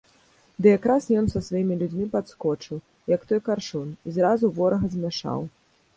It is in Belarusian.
Ды якраз ён са сваімі людзьмі падскочыў, як той каршун, і зразу ворага змяшаў.